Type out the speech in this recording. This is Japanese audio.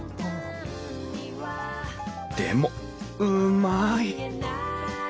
でもうまい！